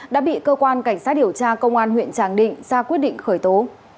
đã bị cơ quan cảnh sát điều tra công an huyện tràng định ra quyết định khởi tố